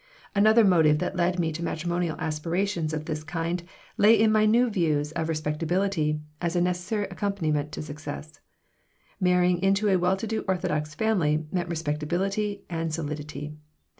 Another motive that led me to matrimonial aspirations of this kind lay in my new ideas of respectability as a necessary accompaniment to success. Marrying into a well to do orthodox family meant respectability and solidity.